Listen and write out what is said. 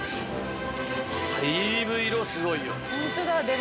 だいぶ色すごいよ。